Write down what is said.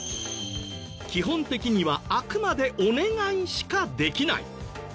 基本的にはあくまでお願いしかできない。